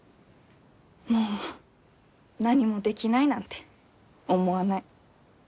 もう何もできないなんて思わない。